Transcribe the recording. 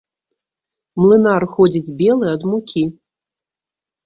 Млынар ходзіць белы ад мукі.